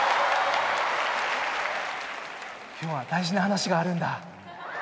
今日は大事な話があるんだ。